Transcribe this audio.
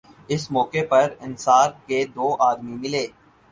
اس موقع پر انصار کے دو آدمی ملے